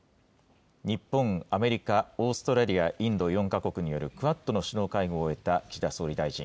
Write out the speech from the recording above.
日本、アメリカ、オーストラリア、インド４か国によるクアッドの首脳会合を終えた岸田総理大臣。